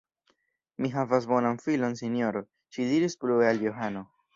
Mi havas bonan filon, sinjoro, ŝi diris plue al Johano.